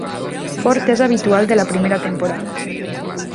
Ford és habitual de la primera temporada.